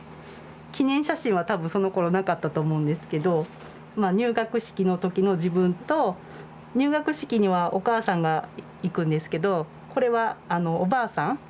記念写真は多分そのころなかったと思うんですけどまあ入学式の時の自分と入学式にはお母さんが行くんですけどこれはあのおばあさん。